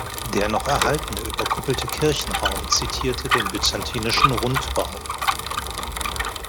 Der noch erhaltene überkuppelte Kirchenraum zitierte den byzantinischen Rundbau.